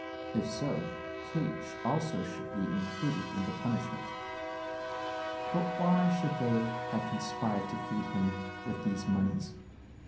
If so, Kate also should be included in the punishment. But why should they have conspired to feed him with these moneys?